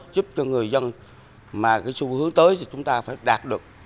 giúp cho người dân mà cái xu hướng tới thì chúng ta phải đạt được